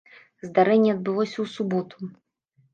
Здарэнне адбылося ў суботу.